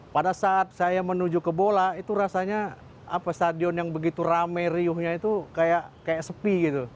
pada saat saya menuju ke bola itu rasanya stadion yang begitu rame riuhnya itu kayak sepi gitu